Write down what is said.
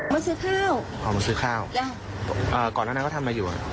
มาซื้อข้าวเอามาซื้อข้าวก่อนแล้วนั้นก็ทำอะไรอยู่อ่ะ